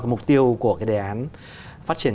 mục tiêu của cái đề án phát triển